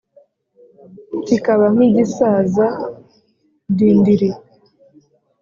kikaba nk’igisaza dindiri